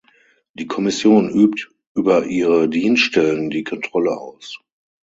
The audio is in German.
Die Kommission übt über ihre Dienststellen die Kontrolle aus.